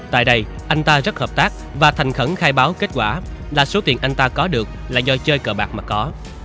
tại đây anh ta rất hợp tác và thành khẩn khai báo kết quả là số tiền anh ta có được là do chơi cờ bạc mà có